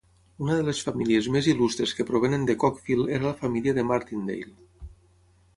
Una de les famílies més il·lustres que provenen de Cockfield era la família de Martindale.